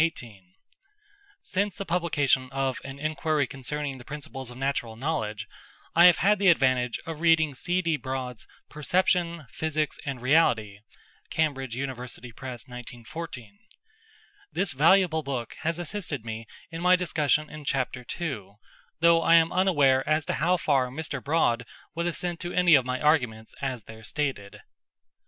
Since the publication of An Enquiry concerning the Principles of Natural Knowledge I have had the advantage of reading Mr C. D. Broad's Perception, Physics, and Reality [Camb. Univ. Press, 1914]. This valuable book has assisted me in my discussion in Chapter II, though I am unaware as to how far Mr Broad would assent to any of my arguments as there stated.